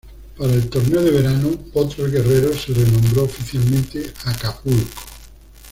Para el torneo de Verano Potros Guerrero se renombró oficialmente Acapulco.